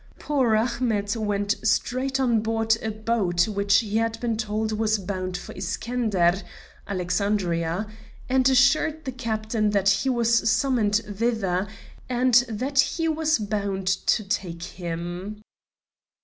Poor Ahmet went straight on board a boat which he had been told was bound for Iskender (Alexandria), and assured the captain that he was summoned thither, and that he was bound to take him.